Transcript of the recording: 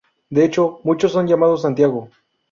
De hecho, muchos son llamados Santiago.